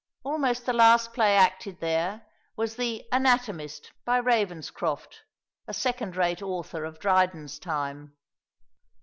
Almost the last play acted there was "The Anatomist," by Ravenscroft, a second rate author of Dryden's time.